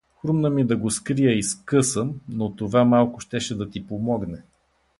Хрумна ми да го скрия и скъсам, но това малко щеше да ти помогне.